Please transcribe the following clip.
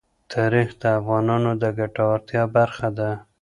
تاریخ د افغانانو د ګټورتیا برخه ده.